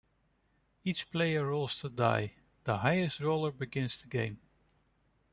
Each player rolls the die; the highest roller begins the game.